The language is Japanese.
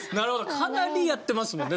かなりやってますもんね。